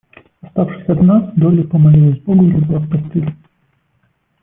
Оставшись одна, Долли помолилась Богу и легла в постель.